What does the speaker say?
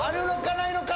ないのか？